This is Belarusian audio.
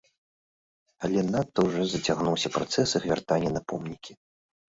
Але надта ўжо зацягнуўся працэс іх вяртання на помнікі.